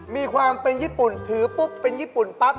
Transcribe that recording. มีความเป็นญี่ปุ่นถือปุ๊บเป็นญี่ปุ่นปั๊บ